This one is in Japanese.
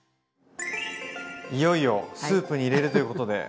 いよいよスープに入れるということで。